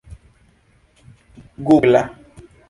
gugla